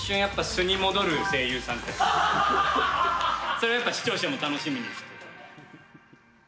それは、やっぱ視聴者も楽しみにしている。